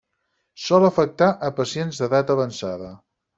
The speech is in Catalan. Sol afectar a pacients d'edat avançada.